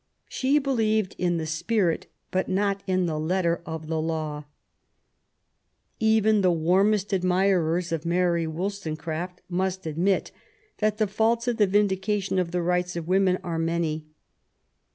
She believed in the spirit, but not in the letter of the law. Even the warmest admirers of Mary Wollstonecraft must admit that the faults of the Vindication of the Rights of Women are many.